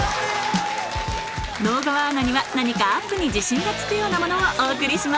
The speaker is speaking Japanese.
直川アナには何かアップに自信がつくようなものをお送りします